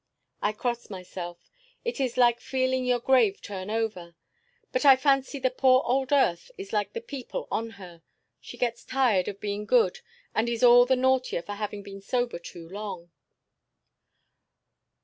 "I cross myself. It is like feeling your grave turn over. But I fancy the poor old earth is like the people on her; she gets tired of being good and is all the naughtier for having been sober too long.